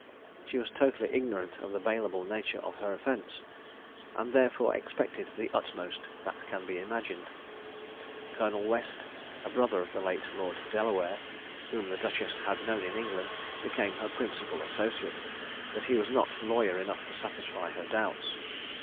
She was totally ignorant of the bailable nature of her offence, and therefore expected the utmost that can be imagined. Colonel West, a brother of the late Lord Delaware, whom the duchess had known in England, became her principal associate; but he was not lawyer enough to satisfy her doubts.